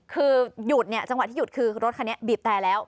คือหยุดเนี่ยจังหวะที่หยุดคือรถคันนี้บีบแต่แล้ว